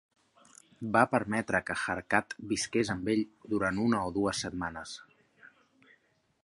Va permetre que Harkat visqués amb ell durant una o dues setmanes.